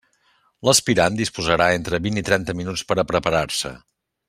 L'aspirant disposarà entre vint i trenta minuts per a preparar-se.